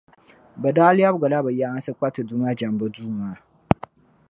Bɛ daa lɛbigila bɛ yaansi kpa Ti Duuma jɛmbu duu maa.